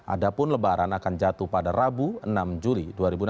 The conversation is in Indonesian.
adapun lebaran akan jatuh pada rabu enam juli dua ribu enam belas